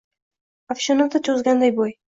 Аfshonada choʼzganda boʼy